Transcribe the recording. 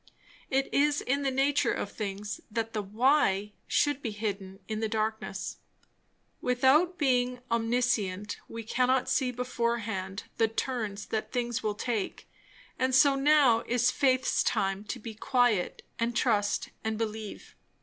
It is in the nature of things, that the "why" should be hidden in darkness; without being omniscient we cannot see beforehand the turns that things will take; and so now is Faith's time to be quiet and trust and believe.